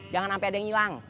jangan sampai ada yang hilang